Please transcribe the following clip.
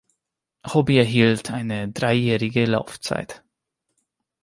Hobby erhielt eine dreijährige Laufzeit.